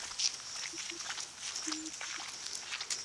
珠江频道境外版亦会重播配有中英文字幕的旧集数。